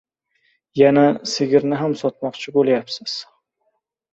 Yana sigirni ham sotmoqchi bo‘layapsiz…